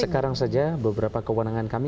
sekarang saja beberapa kewenangan kami